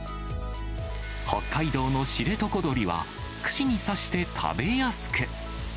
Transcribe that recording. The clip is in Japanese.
北海道の知床どりは、串に刺して食べやすく。